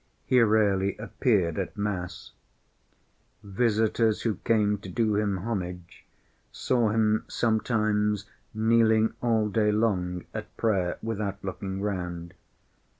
He rarely appeared at mass. Visitors who came to do him homage saw him sometimes kneeling all day long at prayer without looking round.